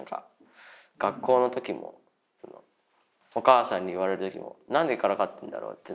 学校の時もお母さんに言われた時も何でからかってるんだろうって。